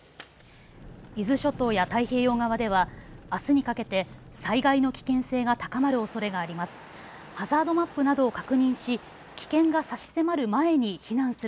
伊豆諸島や太平洋側ではあすにかけて災害の危険性が高まるおそれがあります。